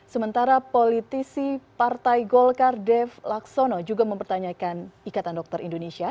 sementara politisi partai golkar dev laksono juga mempertanyakan ikatan dokter indonesia